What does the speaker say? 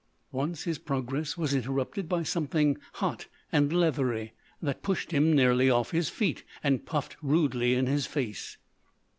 Once his progress was interrupted by something hot and leathery, that pushed him nearly off his feet and puffed rudely in his face.